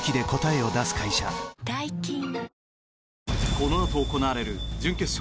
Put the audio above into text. このあと行われる準決勝